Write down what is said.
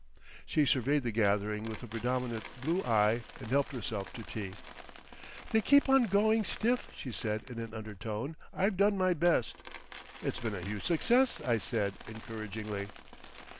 She surveyed the gathering with a predominant blue eye and helped herself to tea. "They keep on going stiff," she said in an undertone.... "I've done my best." "It's been a huge success," I said encouragingly.